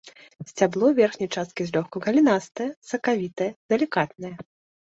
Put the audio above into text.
Сцябло ў верхняй частцы злёгку галінастае, сакавітае, далікатнае.